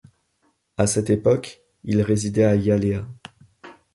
À cette époque, il résidait à Hialeah.